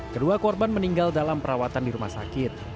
kedua korban meninggal dalam perawatan di rumah sakit